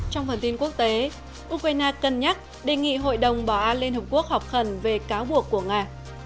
trong phần tin quốc tế ukraine cân nhắc đề nghị hội đồng bảo an liên hợp quốc họp khẩn về cáo buộc của nga